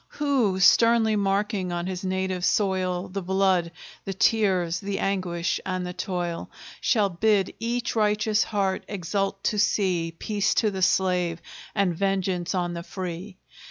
Who, sternly marking on his native soil The blood, the tears, the anguish and the toil, Shall bid each righteous heart exult to see Peace to the slave, and vengeance on the free!